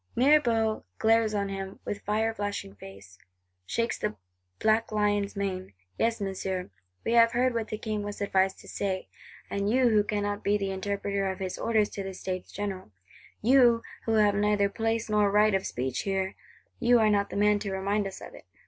'—Mirabeau glares on him with fire flashing face; shakes the black lion's mane: 'Yes, Monsieur, we have heard what the King was advised to say: and you who cannot be the interpreter of his orders to the States General; you, who have neither place nor right of speech here; you are not the man to remind us of it.